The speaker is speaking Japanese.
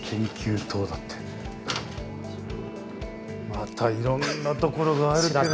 またいろんなところがあるけれども。